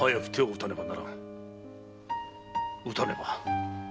打たねば。